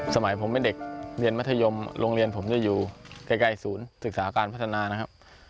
สมัยผมเป็นเด็กเรียนมัธยมโรงเรียนผมจะอยู่ใกล้ศูนย์ศึกษาการพัฒนานะครับ